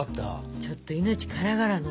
ちょっと命からがらの逃避行よ？